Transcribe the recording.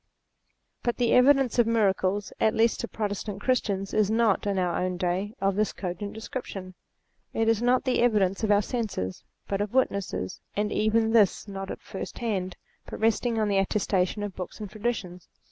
But the evidence of miracles, at least to Protestant Christians, is not, in our own day, of this cogent description. It is not the evidence of our senses, but of witnesses, and even this not at first hand, but resting on the attestation of books and traditions.